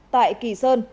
tại kỳ sơn